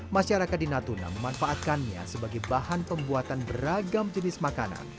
masyarakat di natuna memanfaatkannya sebagai bahan pembuatan beragam jenis makanan